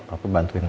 papa bantuin andi ya